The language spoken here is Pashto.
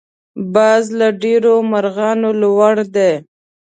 باز له ډېرو مرغانو لوړ دی